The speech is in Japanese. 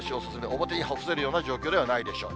表に干せるような状況ではないでしょう。